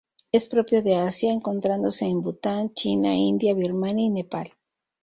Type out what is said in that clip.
Es propio de Asia, encontrándose en Bután, China, India, Birmania y Nepal.